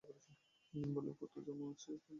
গিম্বলে, কতো জামা আছে, আমার মাপের।